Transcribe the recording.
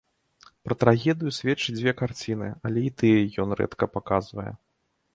Пра трагедыю сведчаць дзве карціны, але і тыя ён рэдка паказвае.